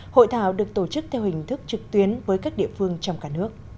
hội thảo được tổ chức theo hình thức trực tuyến với các địa phương trong cả nước